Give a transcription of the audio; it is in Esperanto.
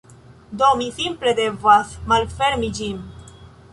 Do, mi simple devas malfermi ĝin